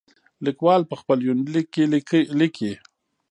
ليکوال په خپل يونليک کې ليکي.